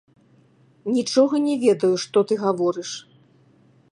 Нічога не ведаю, што ты гаворыш.